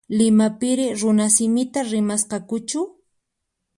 Limapiri runasimita rimasqakuchu?